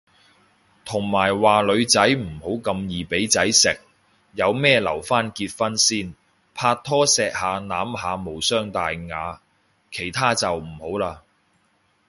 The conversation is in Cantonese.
同埋話女仔唔好咁易俾條仔食，有咩留返結婚先，拍拖錫下攬下無傷大雅，其他就唔好嘞